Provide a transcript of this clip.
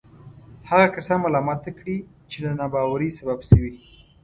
هغه کسان ملامته کړي چې د ناباورۍ سبب شوي.